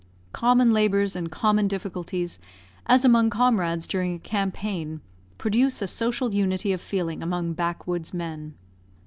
Common labours and common difficulties, as among comrades during a campaign, produce a social unity of feeling among backwoods men.